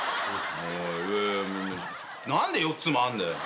何で４つもあんだよ？